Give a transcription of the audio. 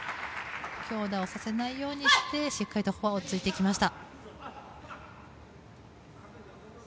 強打をさせないようにしてしっかりとフォアをついていきました。